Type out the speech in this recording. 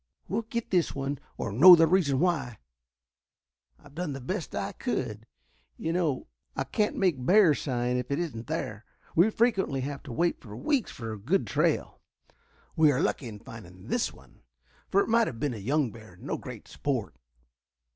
We'll get this one or know the reason why. I have done the best I could. You know I can't make 'bear sign' if it isn't there. We frequently have to wait for weeks for a good trail. We are lucky in finding this one, for it might have been a young bear, and no great sport."